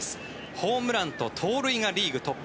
ホームランと盗塁がリーグトップ。